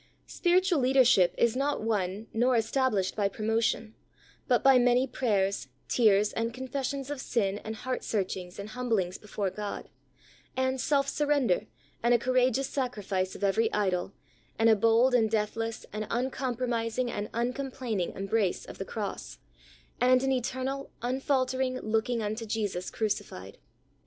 Spiritual leadership is not won nor es tablished by promotion, but by many prayers, tears and confessions of sin and heart searchings and humblings before God, and self surrender and a courageous sacri fice of every idol and a bold and deathless, and uncompromising and uncomplaining em brace of the Cross and an eternal, unfalter ing looking unto Jesus crucified.